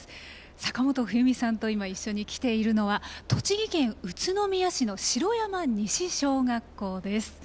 坂本冬美さんと今一緒に来ているのは栃木県宇都宮市の城山西小学校です。